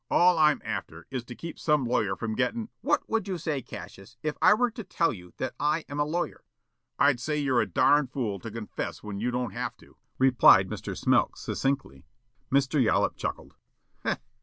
All I'm after, is to keep some lawyer from gettin' " "What would you say, Cassius, if I were to tell you that I am a lawyer?" "I'd say you're a darned fool to confess when you don't have to," replied Mr. Smilk succinctly. Mr. Yollop chuckled.